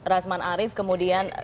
razman arief kemudian